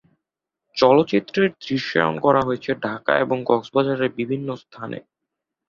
চলচ্চিত্রের দৃশ্যায়ন করা হয়েছে ঢাকা এবং কক্সবাজারের বিভিন্ন স্থানে।